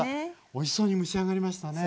おいしそうに蒸し上がりましたね！